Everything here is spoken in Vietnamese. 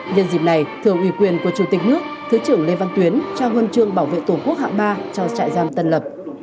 nhân dịp này thưa ủy quyền của chủ tịch nước thứ trưởng lê văn tuyến trao huân chương bảo vệ tổ quốc hạng ba cho trại giam tân lập